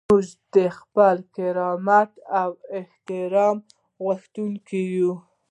موږ د خپل کرامت او احترام غوښتونکي یو.